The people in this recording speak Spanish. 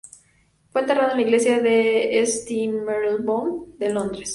Fue enterrado en la Iglesia de St Marylebone de Londres.